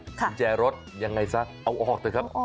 กุญแจรถยังไงซะเอาออกเถอะครับ